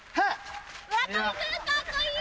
村上君かっこいい！